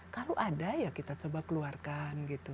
kalau ada ya kita coba keluarkan gitu